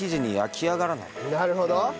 なるほど。